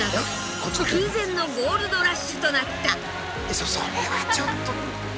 去年それはちょっと。